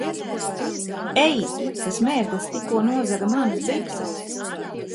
Ei! Tas mērglis tikko nozaga manas bikses!